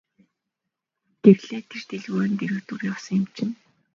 Гэрлээ тэр дэлгүүрийн дэргэдүүр явсан юм чинь.